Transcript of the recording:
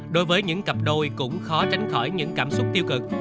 đối với những cặp đôi cũng khó tránh khỏi những cảm xúc tiêu cực